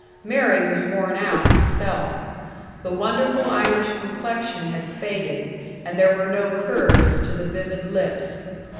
Mary was worn out, herself; the wonderful Irish complexion had faded, and there were no curves to the vivid lips.